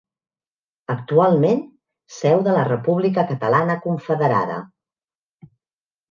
Actualment, seu de la República Catalana Confederada.